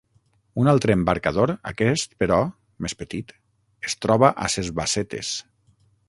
Un altre embarcador, aquest però, més petit, es troba a ses Bassetes.